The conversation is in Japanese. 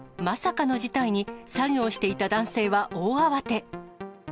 まさかの事態に、作業していた男性は大慌て。